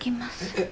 えっ？